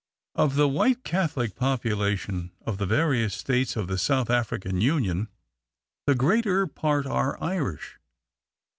Of the white Catholic population of the various states of the South African Union, the greater part are Irish.